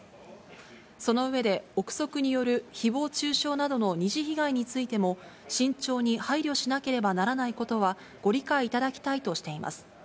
その上で、臆測によるひぼう中傷などの二次被害についても、慎重に配慮しなければならないことは、ご理解いただきたいとしています。